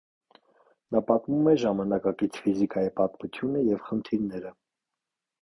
Նա պատմում է ժամանակակից ֆիզիկայի պատմությունը և խնդիրները։